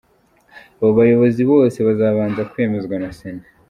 Abo bayobozi bose bazabanza kwemezwa na Sena.